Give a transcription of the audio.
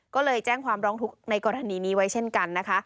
ก็เลยแจ้งความร้องทุกข์ในกรณีนี้ไว้เช่นกันนะคะ